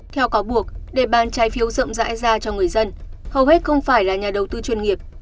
theo cáo buộc để bán trái phiếu rộng rãi ra cho người dân hầu hết không phải là nhà đầu tư chuyên nghiệp